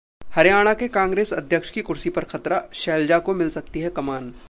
हरियाणा के कांग्रेस अध्यक्ष की कुर्सी पर खतरा, शैलजा को मिल सकती है कमान!